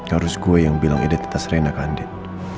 harus gue yang bilang identitas reina ke andin